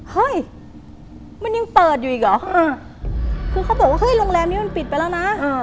เฮ้ยมันยังเปิดอยู่อีกเหรอคือเขาบอกว่าเฮ้ยโรงแรมนี้มันปิดไปแล้วนะ